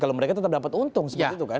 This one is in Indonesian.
kalau mereka tetap dapat untung seperti itu kan